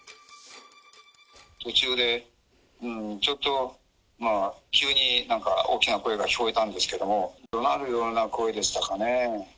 途中でちょっとまあ、急になんか、大きな声が聞こえたんですけども、どなるような声でしたかね。